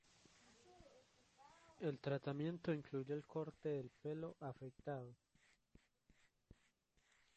El tratamiento incluye el corte del pelo afectado.